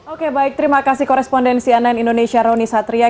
oke baik terima kasih korespondensi ann indonesia roni satria